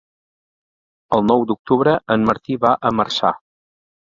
El nou d'octubre en Martí va a Marçà.